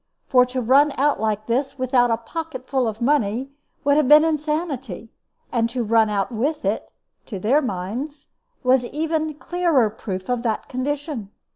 For to run out like this, without a pocket full of money, would have been insanity; and to run out with it, to their minds, was even clearer proof of that condition.